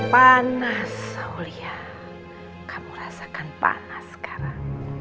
panas saulia kamu rasakan panas sekarang